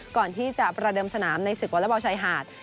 ก่อนที่จะประเดิมสนามในศึกวอเล็กบอลชายหาด